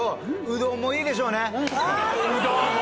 うどんもいいでしょ。